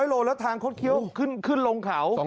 ๒๐๐โลแล้วทางเขาเข้าขึ้นลงเขา